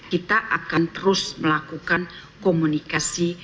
kita akan terus melakukan komunikasi